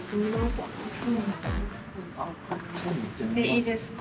いいですか？